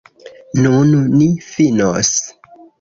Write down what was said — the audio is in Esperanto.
Nun ni finos.